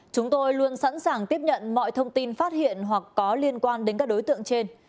chúng tôi luôn sẵn sàng tiếp nhận mọi thông tin phát hiện hoặc có liên quan đến các đối tượng trên